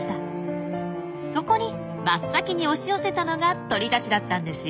そこに真っ先に押し寄せたのが鳥たちだったんですよ。